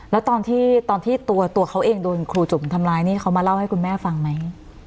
แล้วตอนที่ตัวเขาเองโดนครูจุ๋มทำร้ายนี่เขามาเล่าให้คุณแม่ฟังไหม